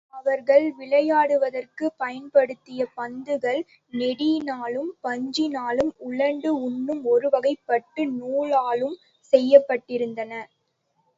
அவர்கள் விளையாடுவதற்குப் பயன்படுத்திய பந்துகள் நெட்டியினாலும், பஞ்சினாலும், உலண்டு உன்னும் ஒருவகைப்பட்டு நூலாலும் செய்யப்பட்டிருந்தன.